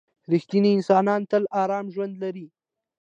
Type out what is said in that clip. • رښتینی انسان تل ارام ژوند لري.